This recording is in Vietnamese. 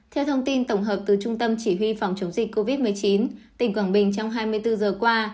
theo thông tin tổng hợp từ trung tâm chỉ huy phòng chống dịch covid một mươi chín tỉnh quảng bình trong hai mươi bốn giờ qua